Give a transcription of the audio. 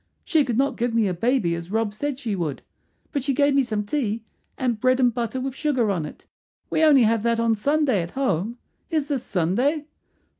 She could not give me a baby as Rob said she would, but she gave me some tea, and bread and butter with sugar on it. We only have that on Sunday at home. Is this Sunday?"